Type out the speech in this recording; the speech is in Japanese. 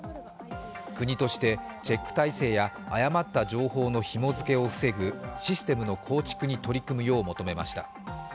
国としてチェック体制や誤った情報のひも付けを防ぐ防ぐシステムの構築に取り組むよう求めました。